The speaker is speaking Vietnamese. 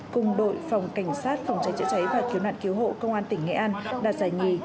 cùng đội phòng cảnh sát phòng cháy chữa cháy và cứu nạn cứu hộ công an tỉnh nghệ an đạt giải nhì